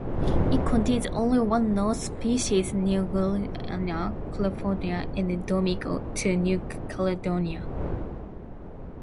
It contains only one known species, Neoguillauminia cleopatra, endemic to New Caledonia.